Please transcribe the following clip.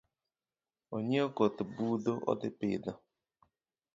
Onyiewo koth budho odhi pidho